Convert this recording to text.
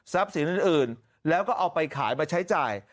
สินอื่นแล้วก็เอาไปขายมาใช้จ่าย